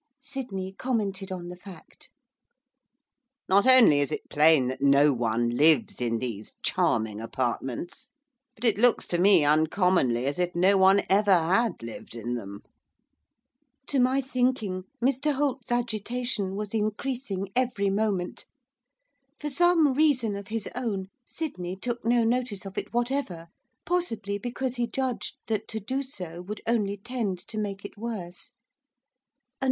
Sydney commented on the fact. 'Not only is it plain that no one lives in these charming apartments, but it looks to me uncommonly as if no one ever had lived in them.' To my thinking Mr Holt's agitation was increasing every moment. For some reason of his own, Sydney took no notice of it whatever, possibly because he judged that to do so would only tend to make it worse.